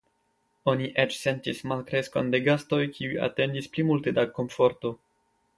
Oni eĉ sentis malkreskon de gastoj kiuj atendis pli multe da komforto.